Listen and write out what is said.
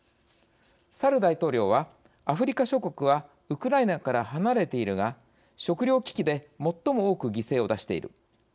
サル大統領は「アフリカ諸国はウクライナから離れているが食糧危機で最も多く犠牲を出している。